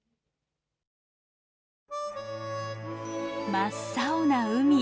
真っ青な海。